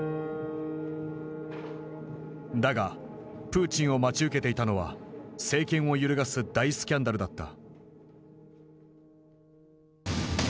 だがプーチンを待ち受けていたのは政権を揺るがす大スキャンダルだった。